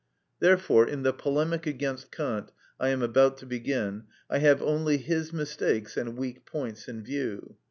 Therefore in the polemic against Kant I am about to begin, I have only his mistakes and weak points in view.